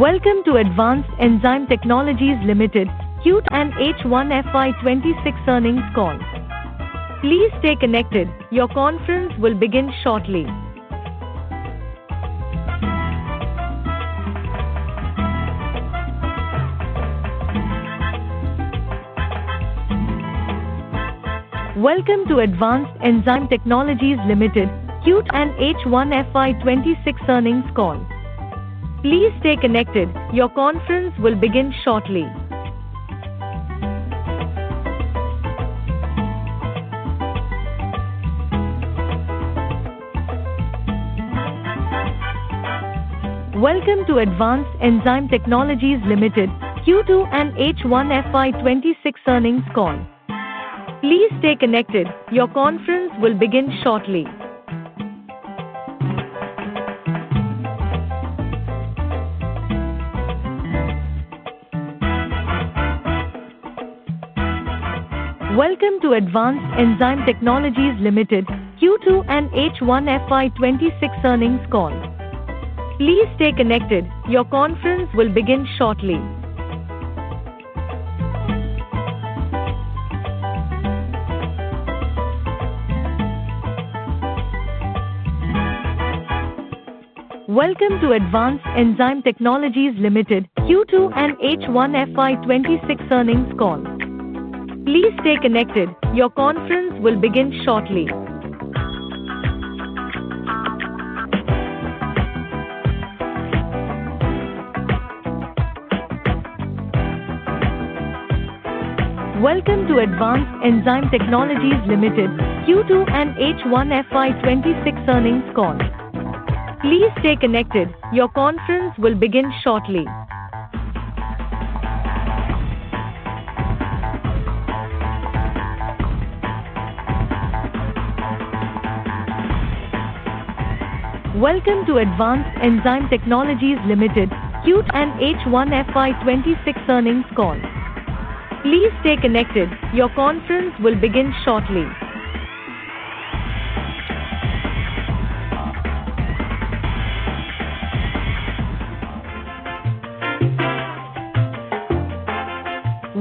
Welcome to Advanced Enzyme Technologies Limited Q and HI FY 2026 earnings call. Please stay connected; your conference will begin shortly. Please stay connected; your conference will begin shortly. Welcome to Advanced Enzyme Technologies Limited, Q2 and HI FY 2026 earnings call. Please stay connected; your conference will begin shortly. Welcome to Advanced Enzyme Technologies Limited, Q2 and HI FY 2026 earnings call. Please stay connected; your conference will begin shortly. Welcome to Advanced Enzyme Technologies Limited, Q2 and HI FY 2026 earnings call. Please stay connected; your conference will begin shortly. Welcome to Advanced Enzyme Technologies Limited, Q2 and HI FY 2026 earnings call. Please stay connected; your conference will begin shortly. Welcome to Advanced Enzyme Technologies Limited, Q2 and HI FY 2026 earnings call. Please stay connected; your conference will begin shortly.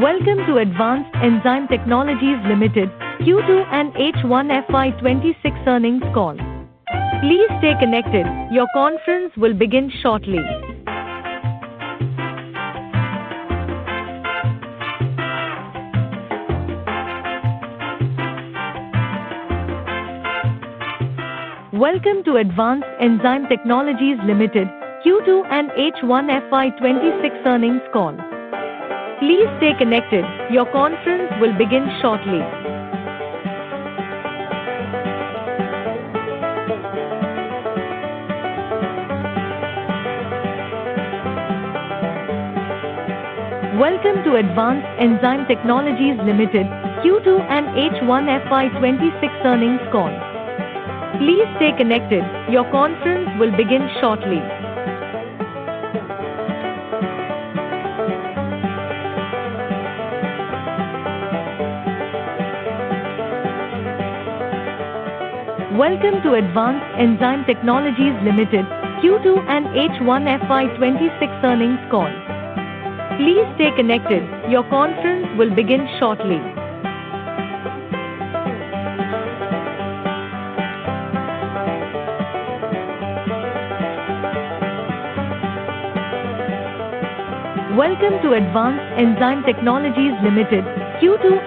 Welcome to Advanced Enzyme Technologies Limited, Q2 and HI FY 2026 earnings call. Please stay connected; your conference will begin shortly. Welcome to Advanced Enzyme Technologies Limited, Q2 and HI FY 2026 earnings call. Please stay connected; your conference will begin shortly. Welcome to Advanced Enzyme Technologies Limited, Q2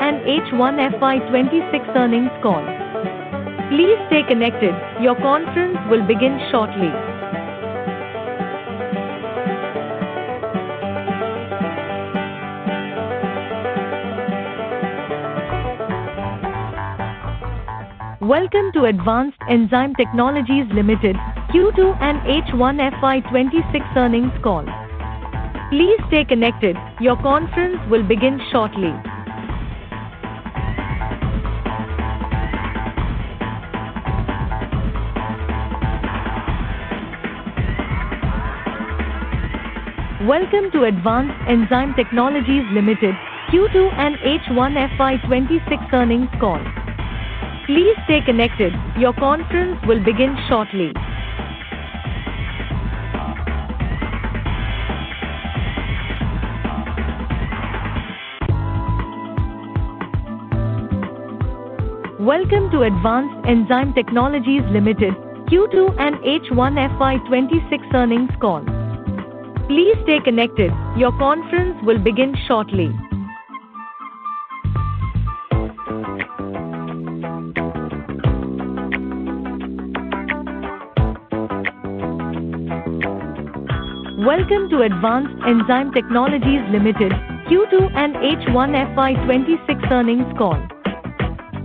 H1 FY 2026 earnings call.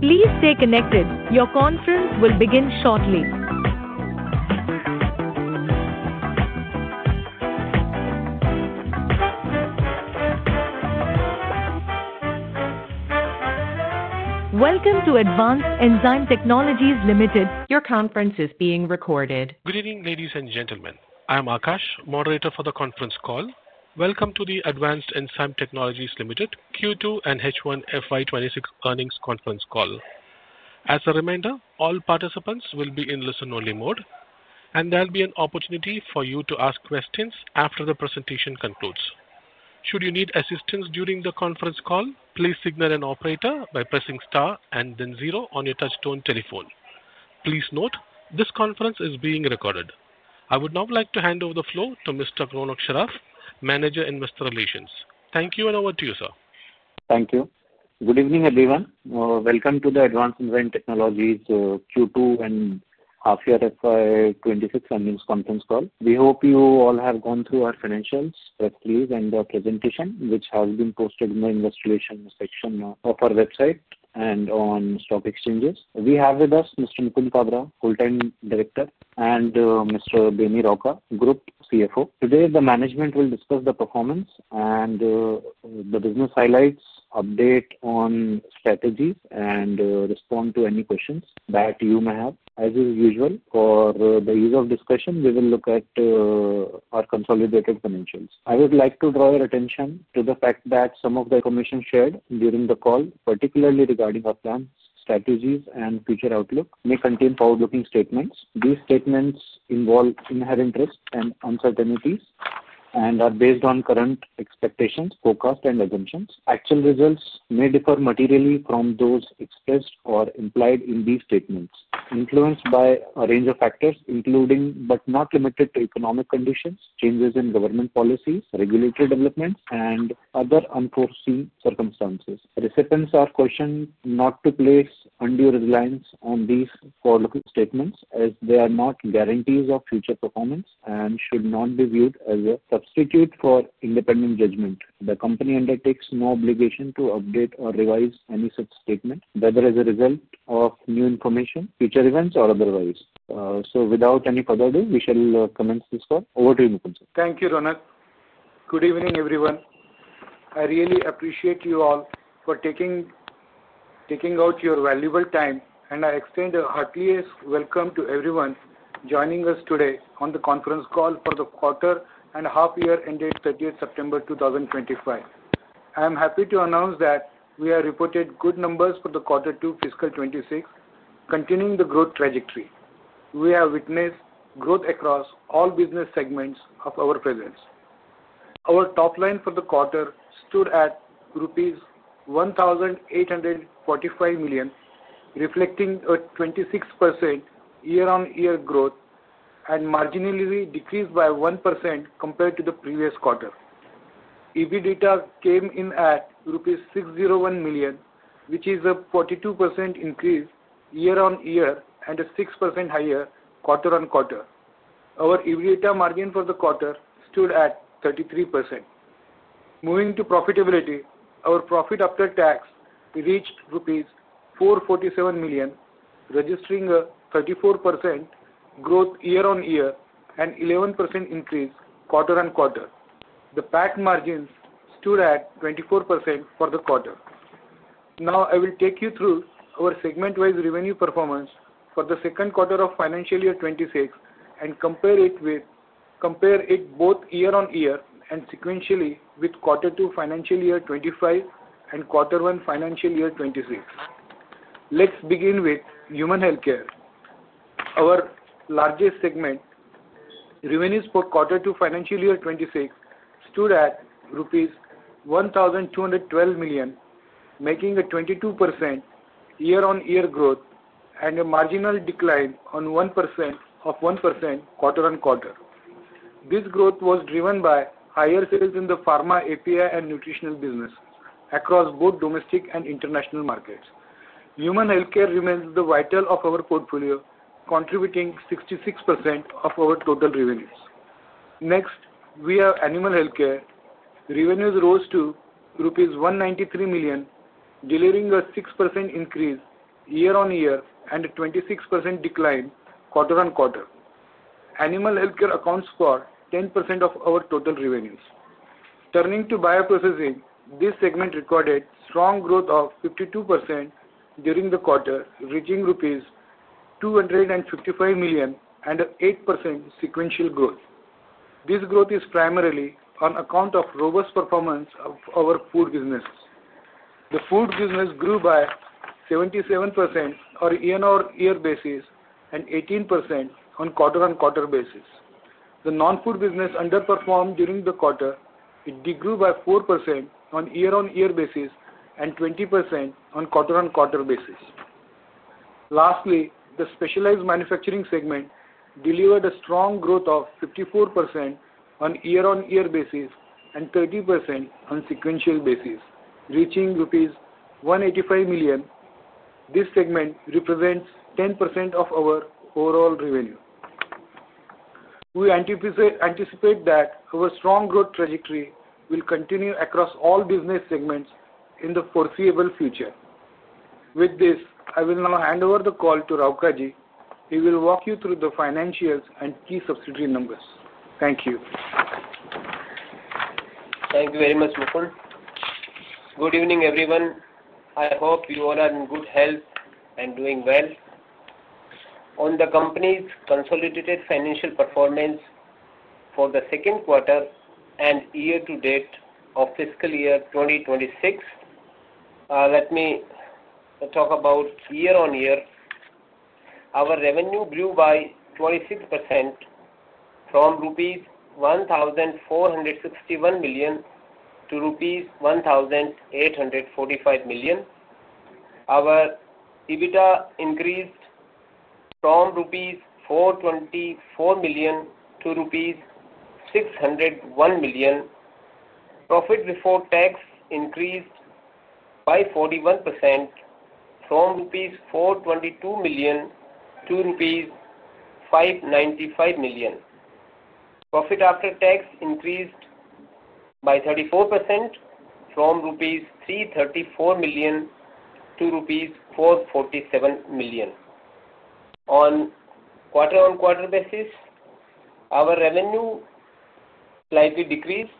Please stay connected. Your conference will begin shortly. Welcome to Advanced Enzyme Technologies Limited. Your conference is being recorded. Good evening, ladies and gentlemen. I am Akash, moderator for the conference call. Welcome to the Advanced Enzyme Technologies Limited Q2 and H1 FY 2026 earnings conference call. As a reminder, all participants will be in listen-only mode, and there will be an opportunity for you to ask questions after the presentation concludes. Should you need assistance during the conference call, please signal an operator by pressing star and then zero on your touch-tone telephone. Please note, this conference is being recorded. I would now like to hand over the floor to Mr. Ronak Saraf, Manager Investor Relations. Thank you, and over to you, sir. Thank you. Good evening, everyone. Welcome to the Advanced Enzyme Technologies Q2 and half year FY 2026 earnings conference call. We hope you all have gone through our financials briefly and the presentation, which has been posted in the investor section of our website and on stock exchanges. We have with us Mr. Mukund Kabra, Full-Time Director, and Mr. Beni Rauka, Group CFO. Today, the management will discuss the performance and the business highlights, update on strategies, and respond to any questions that you may have. As usual, for the ease of discussion, we will look at our consolidated financials. I would like to draw your attention to the fact that some of the information shared during the call, particularly regarding our plans, strategies, and future outlook, may contain forward-looking statements. These statements involve inherent risks and uncertainties and are based on current expectations, forecasts, and assumptions. Actual results may differ materially from those expressed or implied in these statements, influenced by a range of factors, including, but not limited to, economic conditions, changes in government policies, regulatory developments, and other unforeseen circumstances. Recipients are cautioned not to place undue reliance on these forward-looking statements, as they are not guarantees of future performance and should not be viewed as a substitute for independent judgment. The company undertakes no obligation to update or revise any such statement, whether as a result of new information, future events, or otherwise. Without any further ado, we shall commence this call. Over to you, Mukund. Thank you, Ronak. Good evening, everyone. I really appreciate you all for taking out your valuable time, and I extend a hearty welcome to everyone joining us today on the conference call for the quarter and a half year end date 30th September 2025. I am happy to announce that we have reported good numbers for the Q2 fiscal 2026, continuing the growth trajectory. We have witnessed growth across all business segments of our presence. Our top line for the quarter stood at rupees 1,845 million, reflecting a 26% year-on-year growth and marginally decreased by 1% compared to the previous quarter. EBITDA came in at 601 million rupees, which is a 42% increase year-on-year and a 6% higher quarter-on-quarter. Our EBITDA margin for the quarter stood at 33%. Moving to profitability, our profit after tax reached rupees 447 million, registering a 34% growth year-on-year and 11% increase quarter-on-quarter. The PAT margins stood at 24% for the quarter. Now, I will take you through our segment-wise revenue performance for the second quarter of financial year 2026 and compare it both year-on-year and sequentially with Q2 financial year 2025 and quarter one financial year 2026. Let's begin with human healthcare. Our largest segment revenues for Q2 financial year 2026 stood at rupees 1,212 million, making a 22% year-on-year growth and a marginal decline of 1% quarter-on-quarter. This growth was driven by higher sales in the pharma, API, and nutritional business across both domestic and international markets. Human healthcare remains the vital of our portfolio, contributing 66% of our total revenues. Next, we have animal healthcare. Revenues rose to rupees 193 million, delivering a 6% increase year-on-year and a 26% decline quarter-on-quarter. Animal healthcare accounts for 10% of our total revenues. Turning to bioprocessing, this segment recorded strong growth of 52% during the quarter, reaching rupees 255 million and an 8% sequential growth. This growth is primarily on account of robust performance of our food business. The food business grew by 77% on a year-on-year basis and 18% on quarter-on-quarter basis. The non-food business underperformed during the quarter. It did grow by 4% on a year-on-year basis and 20% on quarter-on-quarter basis. Lastly, the specialized manufacturing segment delivered a strong growth of 54% on a year-on-year basis and 30% on sequential basis, reaching rupees 185 million. This segment represents 10% of our overall revenue. We anticipate that our strong growth trajectory will continue across all business segments in the foreseeable future. With this, I will now hand over the call to Beni Rauka. He will walk you through the financials and key subsidiary numbers. Thank you. Thank you very much, Mukund. Good evening, everyone. I hope you all are in good health and doing well. On the company's consolidated financial performance for the second quarter and year-to-date of fiscal year 2026, let me talk about year-on-year. Our revenue grew by 26% from rupees 1,461 million to rupees 1,845 million. Our EBITDA increased from 424 million rupees to rupees 601 million. Profit before tax increased by 41% from rupees 422 million to rupees 595 million. Profit after tax increased by 34% from rupees 334 million to rupees 447 million. On quarter-on-quarter basis, our revenue slightly decreased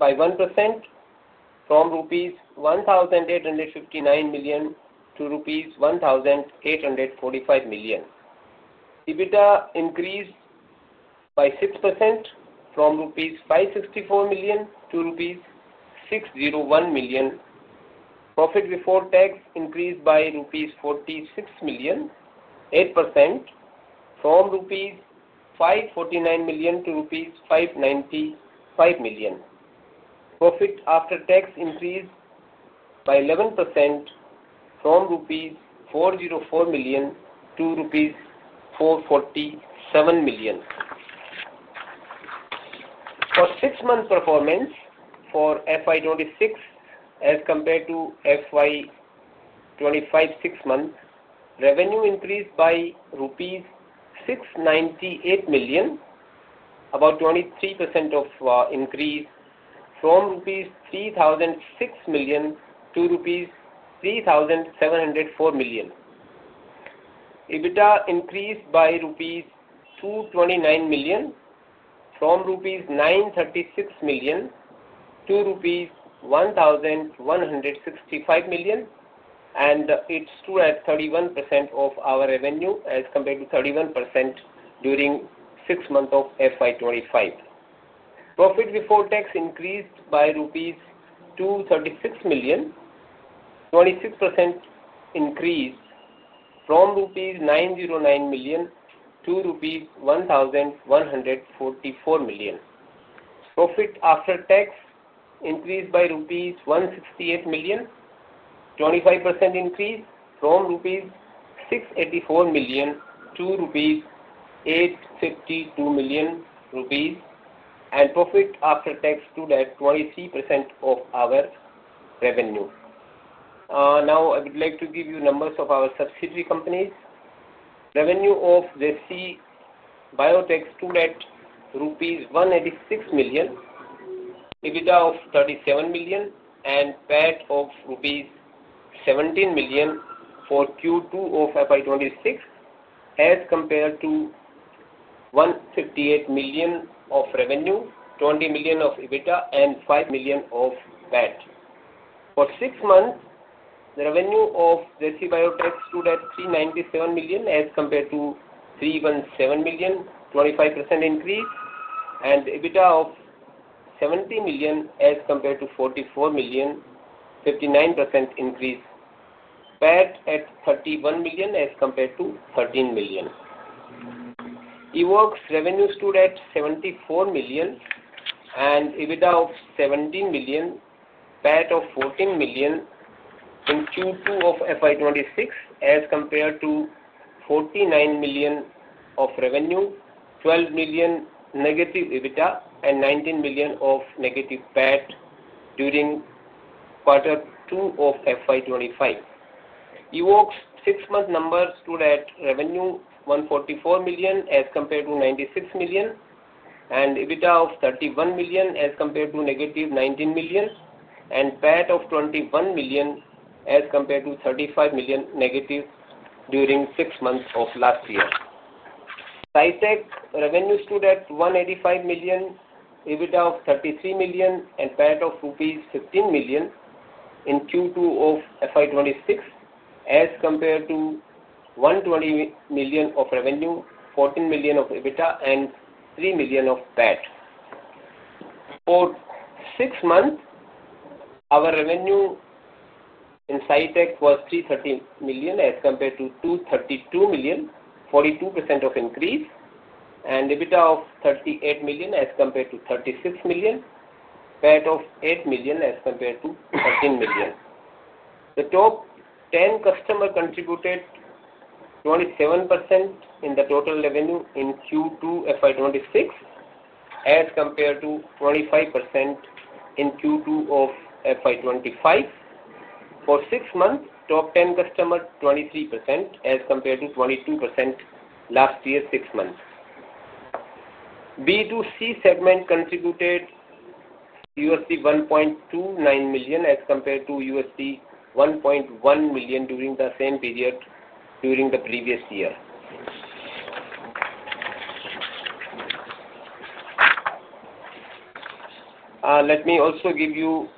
by 1% from rupees 1,859 million to rupees 1,845 million. EBITDA increased by 6% from INR 564 million to INR 601 million. Profit before tax increased by 46 million rupees, 8% from rupees 549 million to INR 595 million. Profit after tax increased by 11% from INR 404 million to INR 447 million. For six-month performance for FY 2026, as compared to FY 2025 six-month, revenue increased by INR 698 million, about 23% of increase, from INR 3,006 million to 3,704 million. EBITDA increased by 229 million rupees, from rupees 936 million to 1,165 million, and it stood at 31% of our revenue as compared to 31% during six months of FY 2025. Profit before tax increased by rupees 236 million, 26% increase, from rupees 909 million to rupees 1,144 million. Profit after tax increased by rupees 168 million, 25% increase, from rupees 684 million to 852 million rupees, and profit after tax stood at 23% of our revenue. Now, I would like to give you numbers of our subsidiary companies. Revenue of ZC Biotech stood at rupees 186 million, EBITDA of 37 million, and PAT of rupees 17 million for Q2 of FY 2026, as compared to 158 million of revenue, 20 million of EBITDA, and 5 million of PAT. For six months, the revenue of ZC Biotech stood at 397 million, as compared to 317 million, 25% increase, and EBITDA of 70 million, as compared to 44 million, 59% increase. PAT at 31 million, as compared to 13 million. EWOC's revenue stood at 74 million, and EBITDA of 17 million, PAT of 14 million in Q2 of FY 2026, as compared to 49 million of revenue, 12 million negative EBITDA, and 19 million of negative PAT during Q2 of FY 2025. EWOC's six-month numbers stood at revenue 144 million, as compared to 96 million, and EBITDA of 31 million, as compared to negative 19 million, and PAT of 21 million, as compared to 35 million negative during six months of last year. SISEC revenue stood at 185 million, EBITDA of 33 million, and PAT of rupees 15 million in Q2 of FY 2026, as compared to 120 million of revenue, 14 million of EBITDA, and 3 million of PAT. For six months, our revenue in SISEC was 330 million, as compared to 232 million, 42% of increase, and EBITDA of 38 million, as compared to 36 million, PAT of 8 million, as compared to 13 million. The top 10 customers contributed 27% in the total revenue in Q2 FY 2026, as compared to 25% in Q2 of FY 2025. For six months, top 10 customers 23%, as compared to 22% last year six months. B2C segment contributed $1.29 million, as compared to $1.1 million during the same period during the previous year. Let me also give you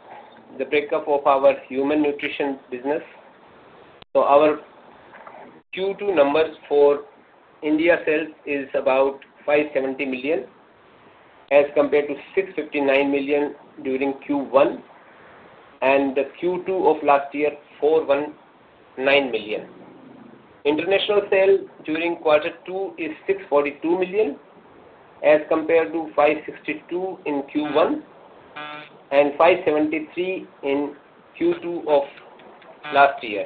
the breakup of our human nutrition business. Our Q2 numbers for India sales is about 570 million, as compared to 659 million during Q1, and the Q2 of last year, 419 million. International sales during Q2 is 642 million, as compared to 562 million in Q1 and 573 million in Q2 of last year.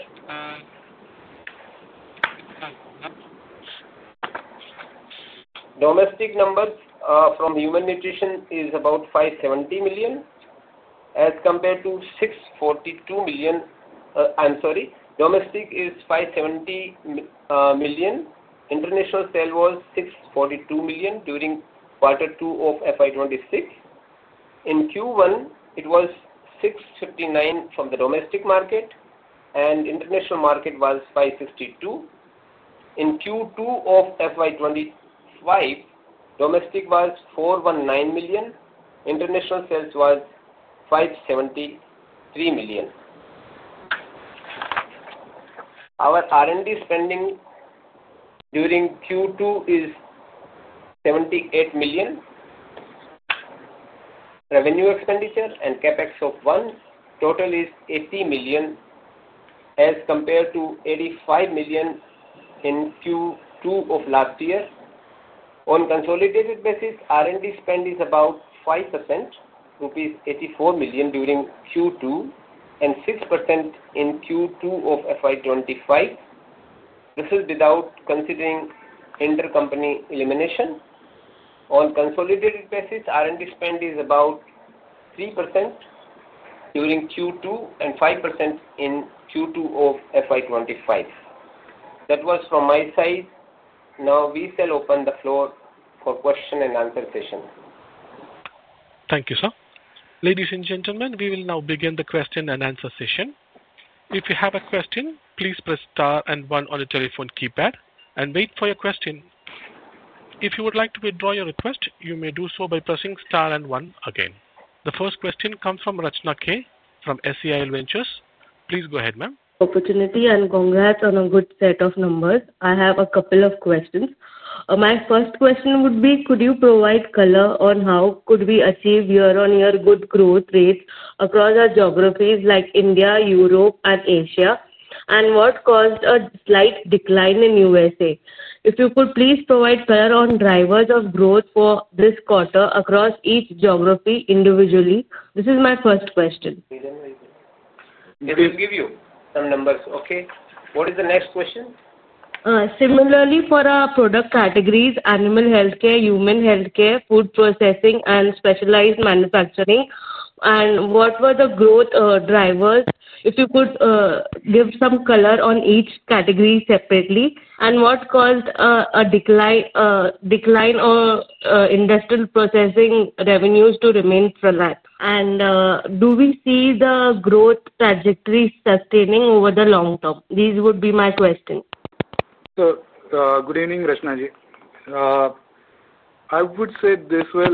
Domestic numbers from human nutrition is about 570 million, as compared to 642 million. I'm sorry. Domestic is 570 million. International sale was 642 million during Q2 of FY 2026. In Q1, it was 659 million from the domestic market, and international market was 562 million. In Q2 of FY 2025, domestic was 419 million. International sales was 573 million. Our R&D spending during Q2 is 78 million. Revenue expenditure and CapEx of one total is 80 million, as compared to 85 million in Q2 of last year. On consolidated basis, R&D spend is about 5%, INR. 84 million during Q2, and 6% in Q2 of FY 2025, this is without considering intercompany elimination. On consolidated basis, R&D spend is about 3% during Q2 and 5% in Q2 of FY 2025. That was from my side. Now, we shall open the floor for Q&A session. Thank you, sir. Ladies and gentlemen, we will now begin the Q&A session. If you have a question, please press star and one on the telephone keypad and wait for your question. If you would like to withdraw your request, you may do so by pressing star and one again. The first question comes from Rachna K. from SCIL Ventures. Please go ahead, ma'am. Opportunity and congrats on a good set of numbers. I have a couple of questions. My first question would be, could you provide color on how could we achieve year-on-year good growth rates across our geographies like India, Europe, and Asia, and what caused a slight decline in the U.S.? If you could please provide color on drivers of growth for this quarter across each geography individually. This is my first question. We will give you some numbers. Okay? What is the next question? Similarly, for our product categories: animal healthcare, human healthcare, food processing, and specialized manufacturing, what were the growth drivers? If you could give some color on each category separately, and what caused a decline or industrial processing revenues to remain flat? Do we see the growth trajectory sustaining over the long term? These would be my questions. Good evening, Rachna ji. I would say this way,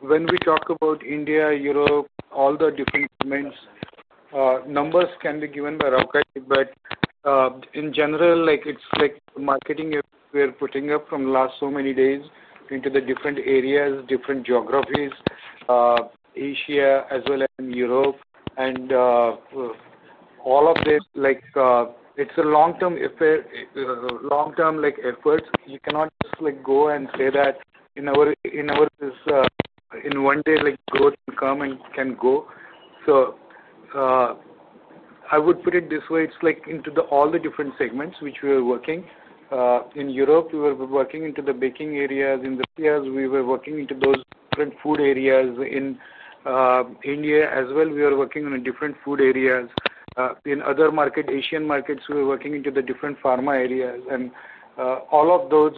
when we talk about India, Europe, all the different segments, numbers can be given by Rauka, but in general, it's like the marketing we're putting up from the last so many days into the different areas, different geographies, Asia, as well as Europe, and all of this, it's a long-term effort. You cannot just go and say that in one day growth can come and go. I would put it this way. It's like into all the different segments which we are working. In Europe, we were working into the baking areas. In the U.S., we were working into those different food areas. In India, as well, we were working on different food areas. In other markets, Asian markets, we were working into the different pharma areas. All of those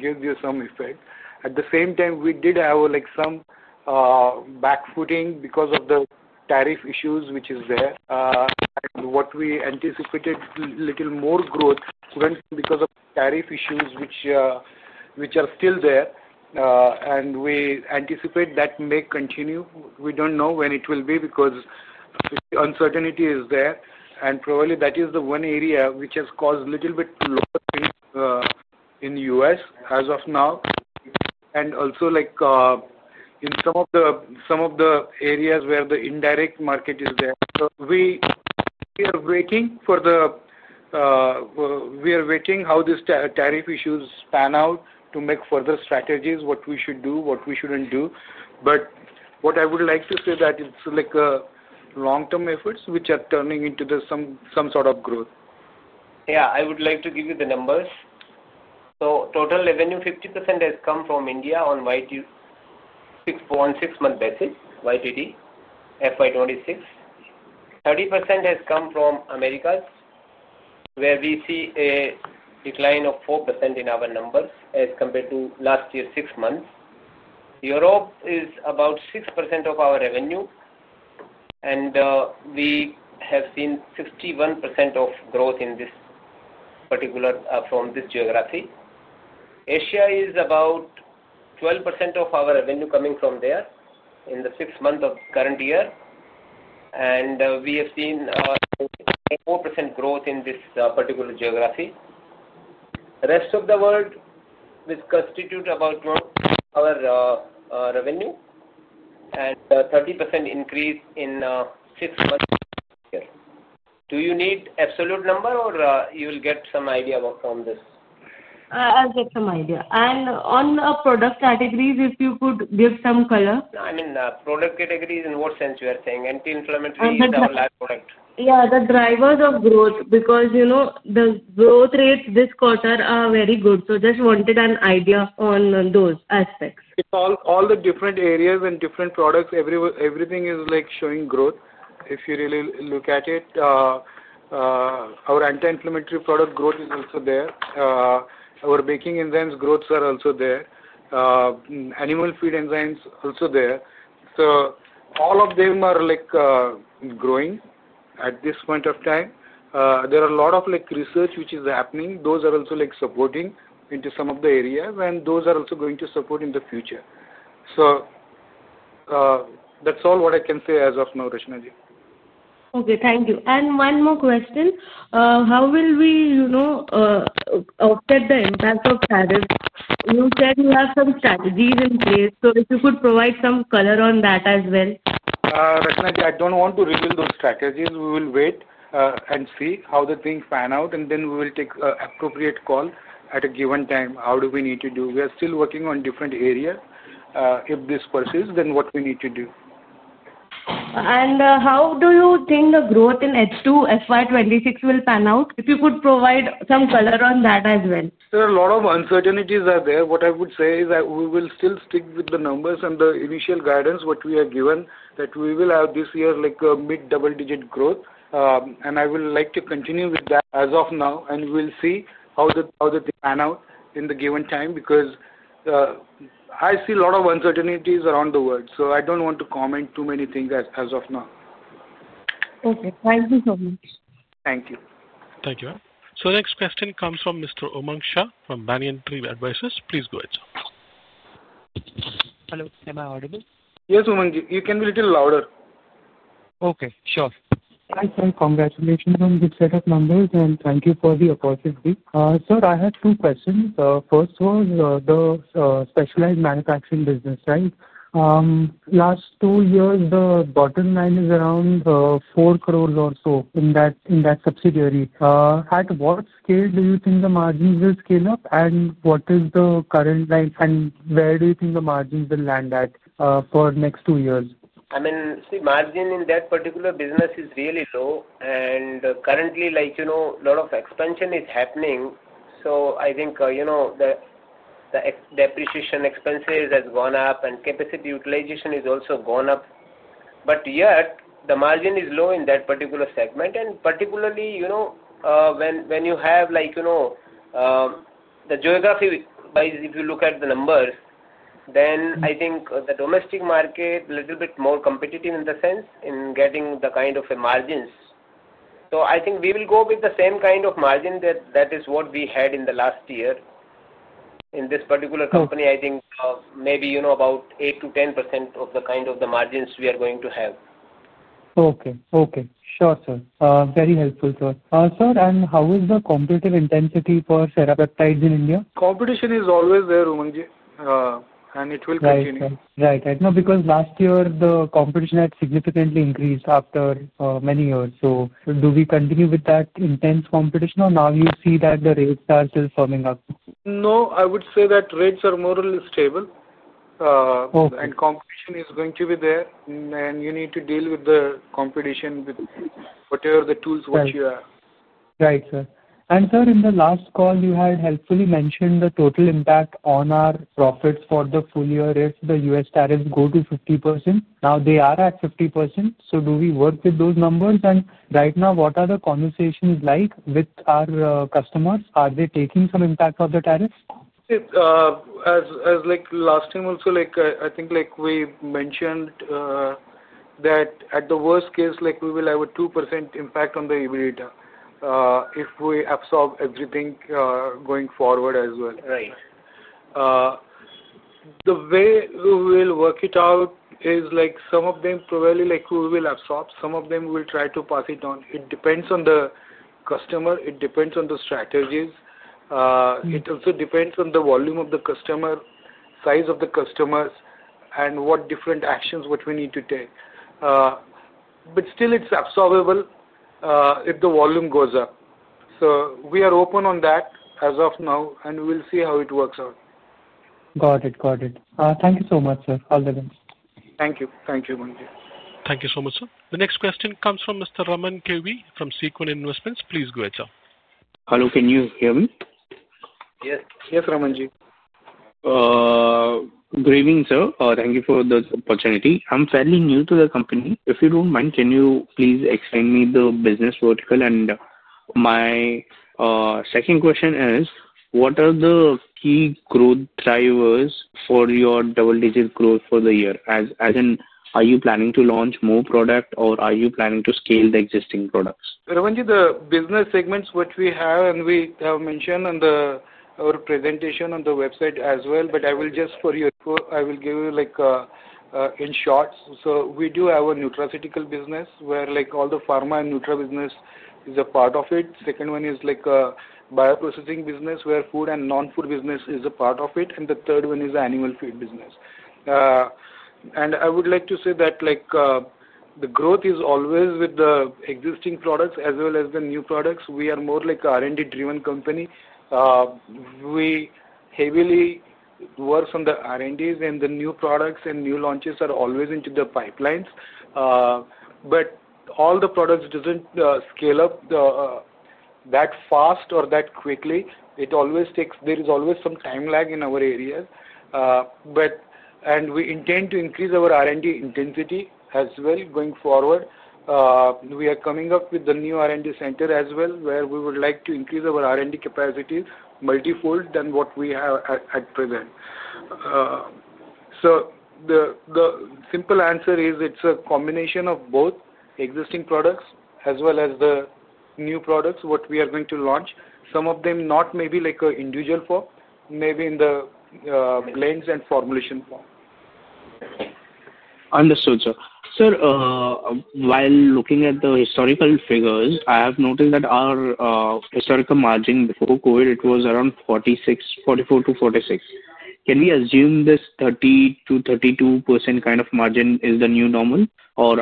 give you some effect. At the same time, we did have some backfooting because of the tariff issues which is there. What we anticipated, a little more growth went because of tariff issues which are still there. We anticipate that may continue. We do not know when it will be because the uncertainty is there. Probably that is the one area which has caused a little bit of loss in the U.S. as of now. Also in some of the areas where the indirect market is there. We are waiting for how these tariff issues pan out to make further strategies, what we should do, what we should not do. What I would like to say is that it is like long-term efforts which are turning into some sort of growth. Yeah. I would like to give you the numbers. Total revenue, 50% has come from India on six-month basis, year-to-date, fiscal year 2026. 30% has come from America, where we see a decline of 4% in our numbers as compared to last year six months. Europe is about 6% of our revenue, and we have seen 61% of growth in this particular from this geography. Asia is about 12% of our revenue coming from there in the six months of current year. We have seen 4% growth in this particular geography. The rest of the world, which constitutes about our revenue, and 30% increase in six months this year. Do you need absolute number, or you will get some idea from this? I'll get some idea. On the product categories, if you could give some color? I mean, product categories in what sense you are saying? Anti-inflammatory is our last product. Yeah, the drivers of growth because the growth rates this quarter are very good. Just wanted an idea on those aspects. It's all the different areas and different products. Everything is showing growth if you really look at it. Our anti-inflammatory product growth is also there. Our baking enzymes growth is also there. Animal feed enzymes also there. All of them are growing at this point of time. There is a lot of research which is happening. Those are also supporting into some of the areas, and those are also going to support in the future. That's all what I can say as of now, Rachna ji. Okay. Thank you. One more question. How will we offset the impact of tariffs? You said you have some strategies in place. If you could provide some color on that as well. Rachna ji, I don't want to reveal those strategies. We will wait and see how the things pan out, and then we will take an appropriate call at a given time. How do we need to do? We are still working on different areas. If this persists, then what do we need to do? How do you think the growth in H2 FY 2026 will pan out? If you could provide some color on that as well. There are a lot of uncertainties out there. What I would say is that we will still stick with the numbers and the initial guidance what we are given that we will have this year mid-double-digit growth. I would like to continue with that as of now, and we will see how the things pan out in the given time because I see a lot of uncertainties around the world. I do not want to comment too many things as of now. Okay. Thank you so much. Thank you. Thank you, ma'am. The next question comes from Mr. Umang Shah from Banyan Tree Advisors. Please go ahead, sir. Hello. Am I audible? Yes, Umang ji. You can be a little louder. Okay. Sure. Thanks, sir. Congratulations on a good set of numbers, and thank you for the opportunity. Sir, I have two questions. First was the specialized manufacturing business, right? Last two years, the bottom line is around 4 crore or so in that subsidiary. At what scale do you think the margins will scale up, and what is the current line, and where do you think the margins will land at for the next two years? I mean, see, margin in that particular business is really low, and currently, a lot of expansion is happening. I think the depreciation expenses have gone up, and capacity utilization has also gone up. Yet, the margin is low in that particular segment. Particularly, when you have the geography-wise, if you look at the numbers, then I think the domestic market is a little bit more competitive in the sense in getting the kind of margins. I think we will go with the same kind of margin that is what we had in the last year. In this particular company, I think maybe about 8%-10% of the kind of the margins we are going to have. Okay. Okay. Sure, sir. Very helpful, sir. Sir, and how is the competitive intensity for Sera Peptides in India? Competition is always there, Umang ji, and it will continue. Right. Right. Right. No, because last year, the competition had significantly increased after many years. Do we continue with that intense competition, or now you see that the rates are still firming up? No, I would say that rates are more or less stable, and competition is going to be there, and you need to deal with the competition with whatever the tools which you have. Right. Right, sir. In the last call, you had helpfully mentioned the total impact on our profits for the full year if the U.S. tariffs go to 50%. Now, they are at 50%. Do we work with those numbers? Right now, what are the conversations like with our customers? Are they taking some impact of the tariffs? As last time also, I think we mentioned that at the worst case, we will have a 2% impact on the EBITDA if we absorb everything going forward as well. Right. The way we will work it out is some of them probably we will absorb. Some of them we will try to pass it on. It depends on the customer. It depends on the strategies. It also depends on the volume of the customer, size of the customers, and what different actions we need to take. It is absorbable if the volume goes up. We are open on that as of now, and we will see how it works out. Got it. Got it. Thank you so much, sir. All the best. Thank you. Thank you, Umang ji. Thank you so much, sir. The next question comes from Mr. Raman KV from Sequent Investments. Please go ahead, sir. Hello. Can you hear me? Yes. Yes, Raman ji. Greetings, sir. Thank you for this opportunity. I'm fairly new to the company. If you don't mind, can you please explain me the business vertical? My second question is, what are the key growth drivers for your double-digit growth for the year? As in, are you planning to launch more products, or are you planning to scale the existing products? Raman ji, the business segments which we have, and we have mentioned on our presentation on the website as well. I will just, for your info, I will give you in short. We do have a nutraceutical business where all the pharma and nutra business is a part of it. The second one is a bioprocessing business where food and non-food business is a part of it. The third one is the animal feed business. I would like to say that the growth is always with the existing products as well as the new products. We are more like an R&D-driven company. We heavily work on the R&Ds, and the new products and new launches are always into the pipelines. All the products do not scale up that fast or that quickly. There is always some time lag in our areas. We intend to increase our R&D intensity as well going forward. We are coming up with the new R&D center as well, where we would like to increase our R&D capacity multifold than what we have at present. The simple answer is it's a combination of both existing products as well as the new products which we are going to launch. Some of them not maybe like an individual form, maybe in the blends and formulation form. Understood, sir. Sir, while looking at the historical figures, I have noticed that our historical margin before COVID, it was around 44%-46%. Can we assume this 30%-32% kind of margin is the new normal, or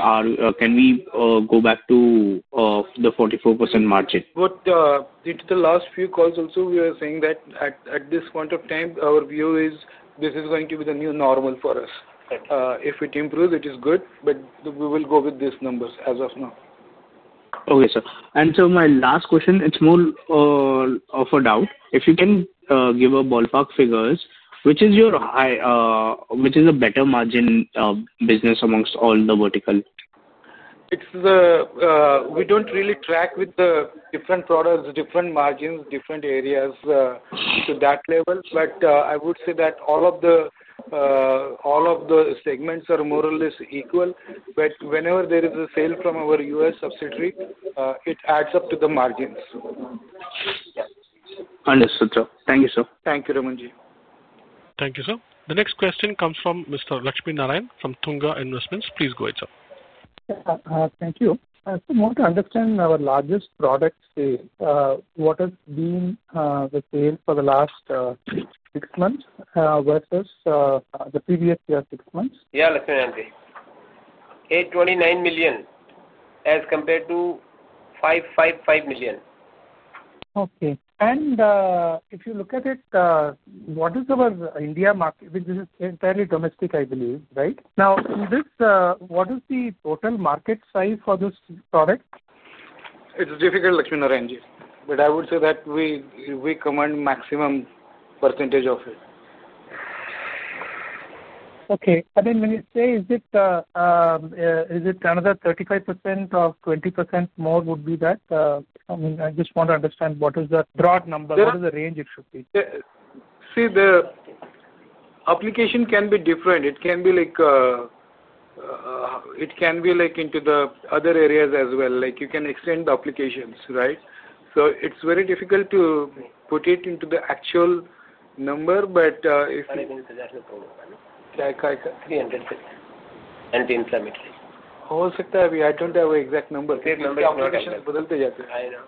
can we go back to the 44% margin? In the last few calls also, we were saying that at this point of time, our view is this is going to be the new normal for us. If it improves, it is good, but we will go with these numbers as of now. Okay, sir. Sir, my last question, it's more of a doubt. If you can give a ballpark figures, which is your high, which is a better margin business amongst all the vertical? We don't really track with the different products, different margins, different areas to that level. I would say that all of the segments are more or less equal. Whenever there is a sale from our U.S. subsidiary, it adds up to the margins. Understood, sir. Thank you, sir. Thank you, Raman ji. Thank you, sir. The next question comes from Mr. Lakshmi Narayan from Tunga Investments. Please go ahead, sir. Thank you. To understand our largest product sale, what has been the sale for the last six months versus the previous year six months? Yeah, Lakshmi Narayan ji. 829 million as compared to 555 million. Okay. If you look at it, what is our India market? This is entirely domestic, I believe, right? Now, in this, what is the total market size for this product? It's difficult, Lakshmi Narayan ji. I would say that we command maximum percentage of it. Okay. I mean, when you say, is it another 35% or 20% more, would be that? I mean, I just want to understand what is the broad number? What is the range it should be? See, the application can be different. It can be like into the other areas as well. You can extend the applications, right? So it's very difficult to put it into the actual number, but if you. I think that's the problem. Three hundred. Anti-inflammatory. [inaudible] I don't have exact number. Same number is not exact. It changes, it changes. I know.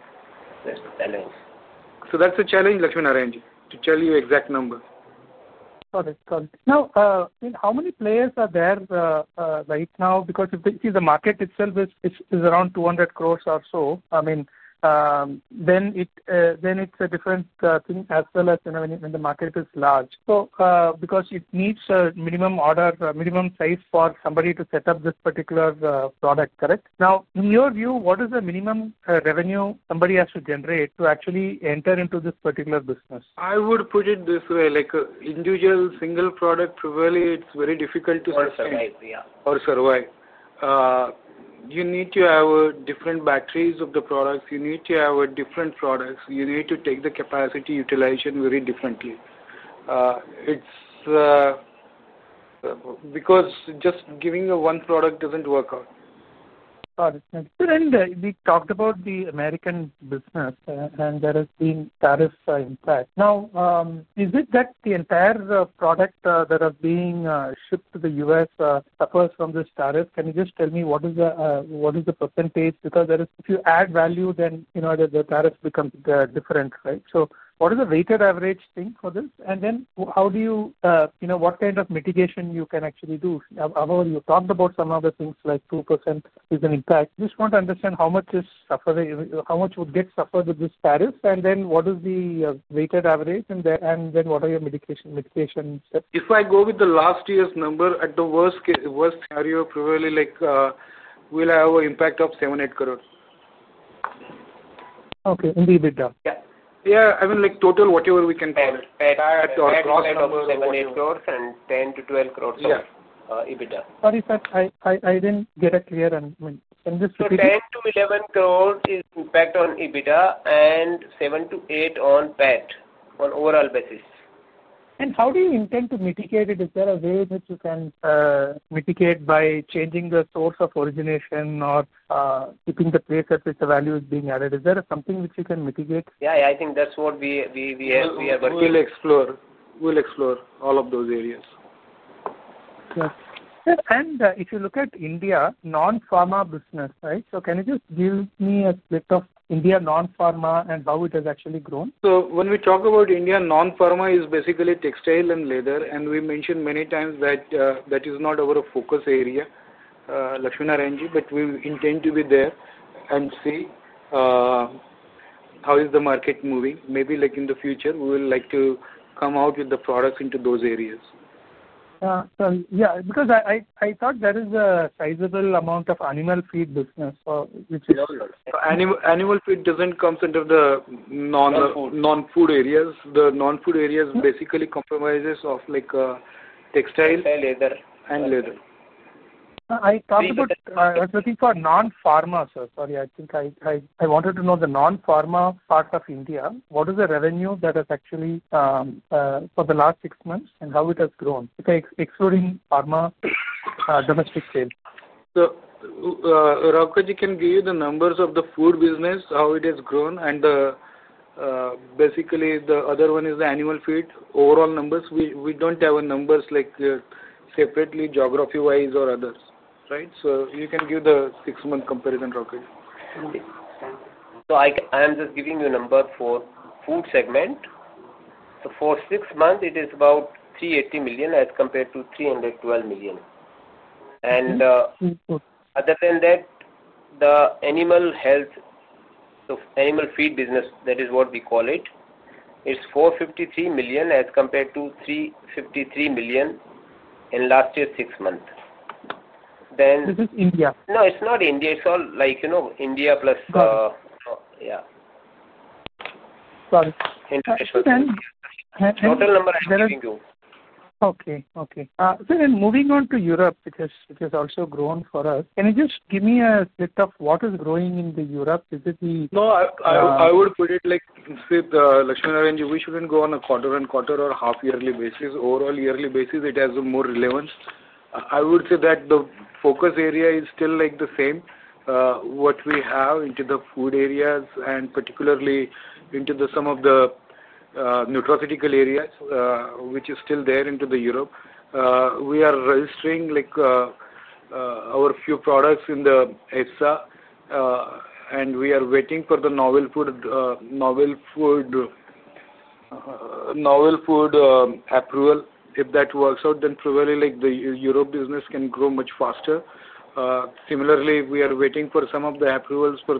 That's the challenge. That's the challenge, Lakshmi Narayan ji, to tell you exact number. Got it. Got it. Now, how many players are there right now? Because if you see, the market itself is around 2 billion or so. I mean, then it's a different thing as well as when the market is large. Because it needs a minimum order, minimum size for somebody to set up this particular product, correct? Now, in your view, what is the minimum revenue somebody has to generate to actually enter into this particular business? I would put it this way. Individual single product, probably it's very difficult to survive. Or survive, yeah. Or survive. You need to have different batteries of the products. You need to have different products. You need to take the capacity utilization very differently. Because just giving you one product does not work out. Got it. We talked about the American business, and there has been tariff impact. Now, is it that the entire product that is being shipped to the U.S. suffers from this tariff? Can you just tell me what is the percentage? Because if you add value, then the tariff becomes different, right? What is the weighted average thing for this? How do you, what kind of mitigation you can actually do? I know you talked about some other things like 2% is an impact. Just want to understand how much would get suffered with this tariff, what is the weighted average, and what are your mitigation steps? If I go with the last year's number, at the worst scenario, probably we'll have an impact of 70 million-80 million. Okay. In the EBITDA? Yeah. Yeah. I mean, total, whatever we can call it. Right. 7-12 crores and 10-12 crores of EBITDA. Sorry, sir. I didn't get it clear. Can you just repeat? 10-11 crore is impact on EBITDA and 7-8 crore on PAT on overall basis. How do you intend to mitigate it? Is there a way that you can mitigate by changing the source of origination or keeping the place at which the value is being added? Is there something which you can mitigate? Yeah. I think that's what we are working on. We'll explore. We'll explore all of those areas. Sir, and if you look at India non-pharma business, right? Can you just give me a bit of India non-pharma and how it has actually grown? When we talk about India non-pharma, it is basically textile and leather, and we mentioned many times that that is not our focus area, Lakshmi Narayan ji, but we intend to be there and see how the market is moving. Maybe in the future, we will like to come out with the products into those areas. Sir, yeah. Because I thought that is a sizable amount of animal feed business, which is. Animal feed doesn't come under the non-food areas. The non-food areas basically comprise textile. Textile, leather. And leather. I was looking for non-pharma, sir. Sorry. I think I wanted to know the non-pharma part of India. What is the revenue that has actually for the last six months and how it has grown? Excluding pharma, domestic sales. Raukaj ji can give you the numbers of the food business, how it has grown, and basically, the other one is the animal feed overall numbers. We do not have numbers separately geography-wise or others, right? You can give the six-month comparison, Raukaj ji. I am just giving you a number for food segment. For six months, it is about 380 million as compared to 312 million. Other than that, the animal health, so animal feed business, that is what we call it, is 453 million as compared to 353 million in last year's six months. This is India. No, it's not India. It's all like India plus. Sorry. International. Total number I'm giving you. Okay. Okay. Sir, and moving on to Europe, which has also grown for us, can you just give me a bit of what is growing in the Europe? Is it the. No, I would put it like Lakshmi Narayan ji, we shouldn't go on a quarter-on-quarter or half-yearly basis. Overall yearly basis, it has more relevance. I would say that the focus area is still the same. What we have into the food areas and particularly into some of the nutraceutical areas, which is still there into Europe, we are registering our few products in the EFSA, and we are waiting for the novel food approval. If that works out, then probably the Europe business can grow much faster. Similarly, we are waiting for some of the approvals for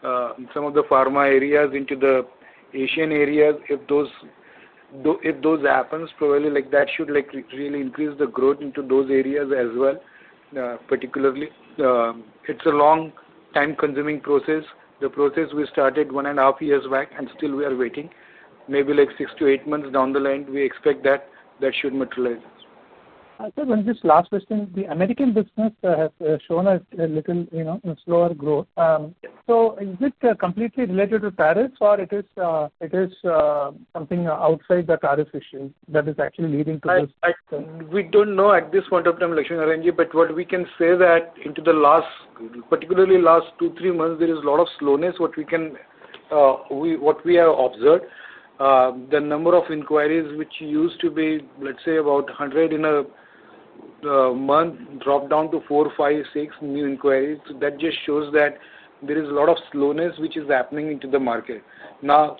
some of the pharma areas into the Asian areas. If those happen, probably that should really increase the growth into those areas as well, particularly. It's a long time-consuming process. The process we started one and a half years back, and still we are waiting. Maybe like six-eight months down the line, we expect that that should materialize. Sir, just last question. The American business has shown a little slower growth. Is it completely related to tariffs, or is it something outside the tariff issue that is actually leading to this? We don't know at this point of time, Lakshmi Narayan ji, but what we can say is that in the last, particularly last two, three months, there is a lot of slowness, what we have observed. The number of inquiries, which used to be, let's say, about 100 in a month, dropped down to 4, 5, 6 new inquiries. That just shows that there is a lot of slowness, which is happening in the market. Now,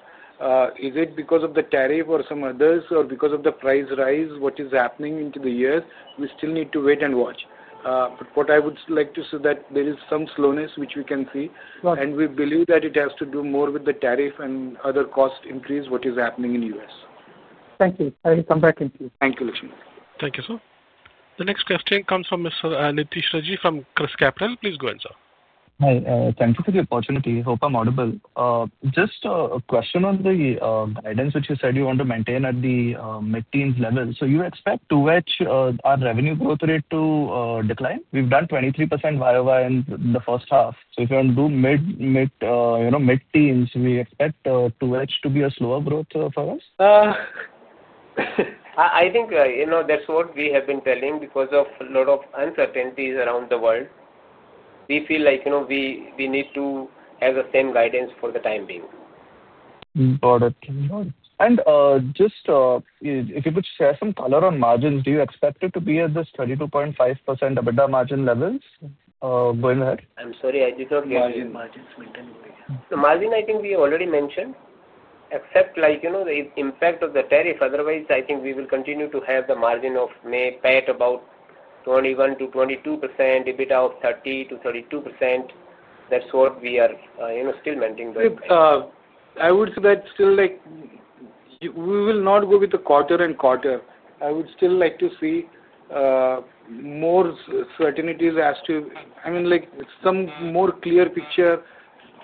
is it because of the tariff or some others, or because of the price rise? What is happening in the years? We still need to wait and watch. What I would like to say is that there is some slowness, which we can see. We believe that it has to do more with the tariff and other cost increase, what is happening in the U.S.. Thank you. I'll come back in to you. Thank you, Lakshmi Narayan ji. Thank you, sir. The next question comes from[ Mr. Nitish Rajji from ChrysCapital]. Please go ahead, sir. Hi. Thank you for the opportunity. Hope I'm audible. Just a question on the guidance, which you said you want to maintain at the mid-teens level. Do you expect our revenue growth rate to decline? We've done 23% YoY in the first half. If you want to do mid-teens, do we expect that to be a slower growth for us? I think that's what we have been telling because of a lot of uncertainties around the world. We feel like we need to have the same guidance for the time being. Got it. And just if you could share some color on margins, do you expect it to be at this 32.5% EBITDA margin levels? Go ahead. I'm sorry. I did not get the margins maintained. The margin, I think we already mentioned, except the impact of the tariff. Otherwise, I think we will continue to have the margin of maybe about 21%-22%, EBITDA of 30%-32%. That's what we are still maintaining. I would say that still we will not go with the quarter-on-quarter. I would still like to see more certainties as to, I mean, some more clear picture